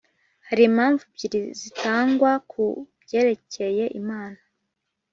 Hari impamvu ebyiri zitangwa ku byerekeye Imana